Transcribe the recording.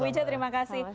bu ica terima kasih